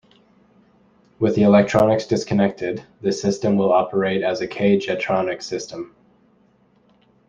With the electronics disconnected, this system will operate as a K-Jetronic system.